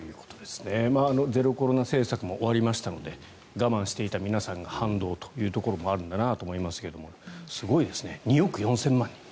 ゼロコロナ政策も終わりましたので我慢していた皆さんが反動というところもあるんだと思いますが、すごいですね２億４０００万人。